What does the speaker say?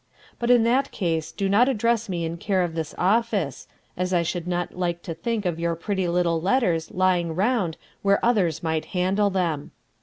But in that case do not address me in care of this office, as I should not like to think of your pretty little letters lying round where others might handle them.